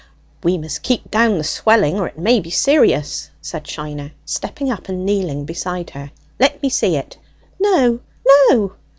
"We must keep down the swelling, or it may be serious!" said Shiner, stepping up and kneeling beside her. "Let me see it." "No, no!"